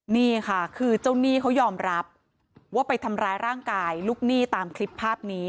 นี่ค่ะคือเจ้าหนี้เขายอมรับว่าไปทำร้ายร่างกายลูกหนี้ตามคลิปภาพนี้